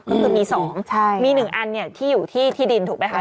เพราะมันจะมี๒มีหนึ่งอันเนี่ยที่อยู่ที่ดินถูกไหมคะ